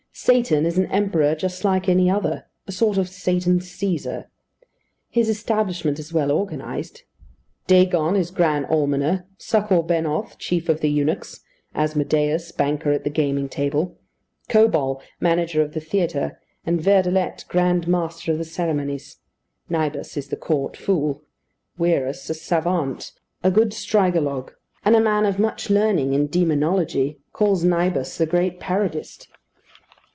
Satan is an Emperor just like any other: a sort of Satan Cæsar. His establishment is well organised. Dagon is grand almoner, Succor Benoth chief of the Eunuchs; Asmodeus, banker at the gaming table; Kobal, manager of the theatre, and Verdelet, grand master of the ceremonies. Nybbas is the court fool; Wierus, a savant, a good strygologue, and a man of much learning in demonology, calls Nybbas the great parodist.